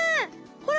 「ほら」。